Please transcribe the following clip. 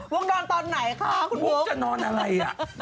บุ๊กนอนตอนไหนคะคุณบุ๊กบุ๊กจะนอนอะไรอ่ะ